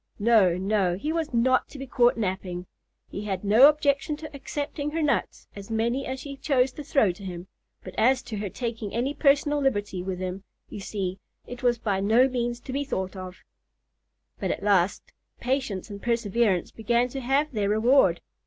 No, no; he was not to be caught napping. He had no objection to accepting her nuts, as many as she chose to throw to him; but as to her taking any personal liberty with him, you see, it was by no means to be thought of. But at last patience and perseverance began to have their reward.